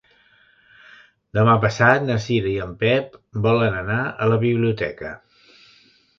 Demà passat na Cira i en Pep volen anar a la biblioteca.